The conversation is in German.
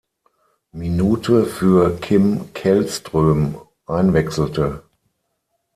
Minute für Kim Källström einwechselte.